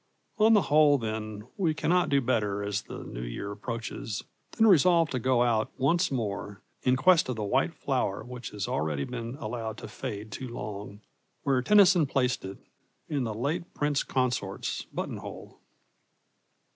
On the whole, then, we cannot do better as the New Year approaches than resolve to go out once more in quest of the white flower which has already been allowed to fade too long, where Tennyson placed it, in the late Prince Consort's buttonhole.